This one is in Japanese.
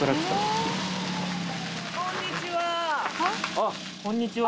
あっこんにちは。